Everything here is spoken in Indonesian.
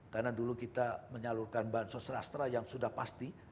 karena dulu kita menyalurkan bahan sosial astra yang sudah pasti